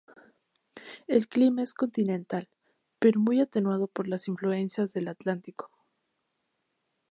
El clima es continental, pero muy atenuado por las influencias del Atlántico.